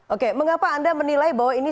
oke mengapa anda menilai bahwa ini